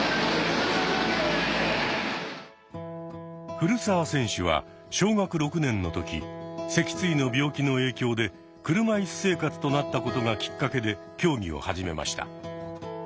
古澤選手は小学６年の時脊椎の病気の影響で車いす生活となったことがきっかけで競技を始めました。